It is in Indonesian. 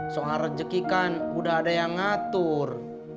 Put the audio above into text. soal rejeki kan udah ada yang ngatur